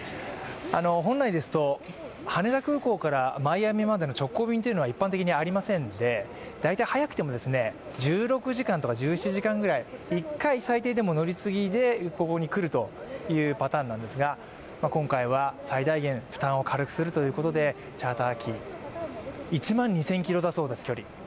本来ですと、羽田空港からマイアミまでの直航便は一般的に、ありませんで、早くても１６時間とか１７時間ぐらい、１回最低でも乗り継ぎでここに来るというパターンなんですが、今回は最大限、負担を軽くするということで、チャーター機、距離１万２０００ｋｍだそうです。